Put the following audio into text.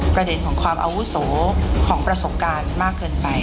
ประเด็นของความอาวุโสของประสบการณ์มากเกินไป